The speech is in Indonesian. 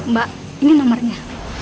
mbak ini nomernya